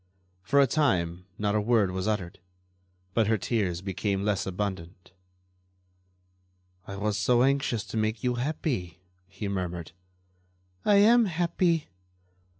For a time not a word was uttered, but her tears became less abundant. "I was so anxious to make you happy," he murmured. "I am happy."